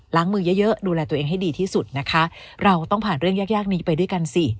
มือเยอะเยอะดูแลตัวเองให้ดีที่สุดนะคะเราต้องผ่านเรื่องยากยากนี้ไปด้วยกันสิ